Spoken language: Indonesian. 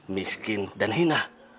miskin dan hina